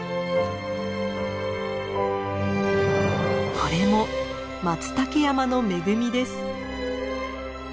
これもマツタケ山の恵みです。